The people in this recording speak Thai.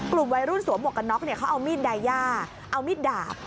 กลุ่มวัยรุ่นสวมหวกกันน็อกเนี่ยเขาเอามีดไดย่าเอามีดดาบ